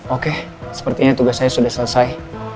oke sepertinya tugas saya sudah selesai